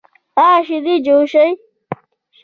ایا شیدې جوشوئ؟